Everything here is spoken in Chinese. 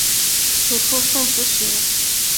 曾祖父宋思贤。